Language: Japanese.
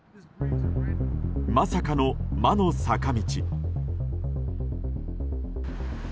まさかの、魔の坂道。